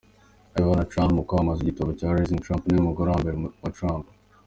Ivana Trump uri kwamamaza igitabo cye “Raising Trump” niwe mugore wa mbere wa Trump.